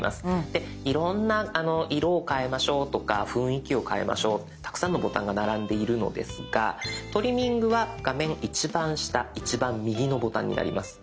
でいろんな色を変えましょうとか雰囲気を変えましょうたくさんのボタンが並んでいるのですがトリミングは画面一番下一番右のボタンになります。